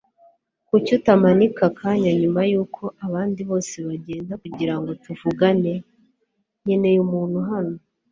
kuki utamanika akanya nyuma yuko abandi bose bagenda kugirango tuvugane? nkeneye umuntu hano